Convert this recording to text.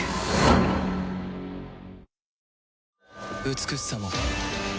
美しさも